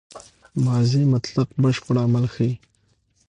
ماضي مطلق بشپړ عمل ښيي.